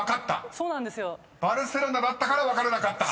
［バルセロナだったから分からなかった？］